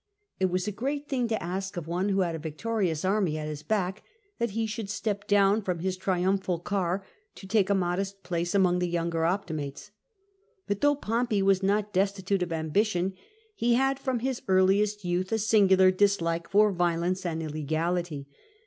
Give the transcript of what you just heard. It was a great thing to ask of one who had a victorious army at his back that he should step down from his triumphal car to take a modest place among the younger Optimates. But though Pompey was not destitute of ambition, he had from his earliest youth a singular dislike for violence and illegality.